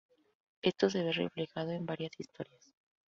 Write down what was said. Esto se ve reflejado en varias historias.